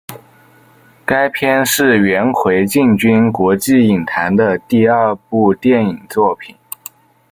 该片是元奎进军国际影坛的第二部电影作品。